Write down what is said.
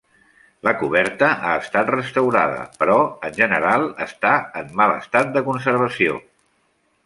La coberta ha estat restaurada, però en general està en mal estat de conservació.